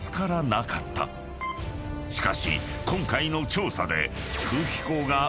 ［しかし今回の調査で］